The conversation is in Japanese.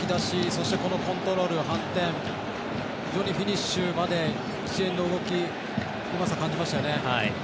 そして、コントロールの反転フィニッシュまで一連の動きうまさ感じましたよね。